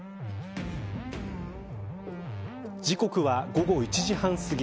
時刻は午後１時半すぎ。